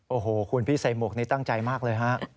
โอ้โหคุณพี่ใส่หมวกนี่ตั้งใจมากเลยฮะ